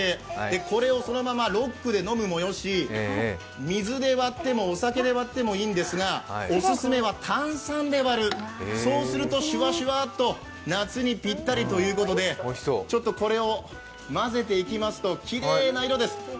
これをそのままロックで飲むもよし、水で割ってもお酒で割ってもいいんですが、オススメは炭酸で割る、そうするとシュワシュワっと夏にピッタリということでこれを混ぜていきますと、きれいな色です。